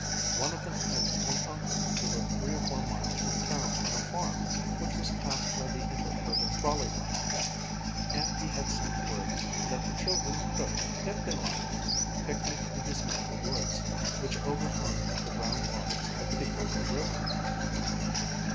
One of them had an uncle who lived three or four miles from town on a farm which was passed by the inter urban trolley line, and he had sent word that the children could, if they liked, picnic in his maple woods, which overhung the brown waters of the Piquota river.